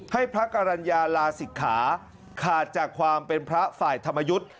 ให้พระกรรณญาลาศิกขาขาดจากความเป็นพระฝ่ายธรรมยุทธ์